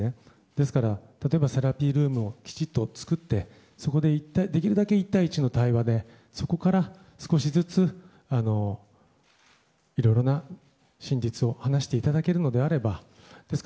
ですから、例えばセラピールームをきちっと作ってそこでできるだけ１対１の対話でそこから少しずついろいろな真実を話していただけるのであれば。